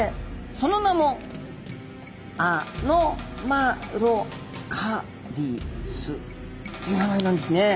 その名もアノマロカリスっていう名前なんですね。